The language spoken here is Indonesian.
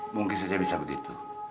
mungkin saja bisa begitu